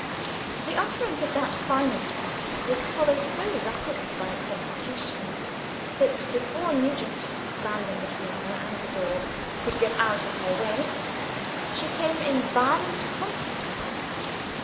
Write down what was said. The utterance of that final threat was followed so rapidly by its execution that, before Nugent (standing between her and the door) could get out of her way, she came in violent contact with him.